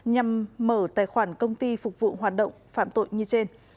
nhằm mở tài khoản công ty phục vụ hoạt động phạm tội như trên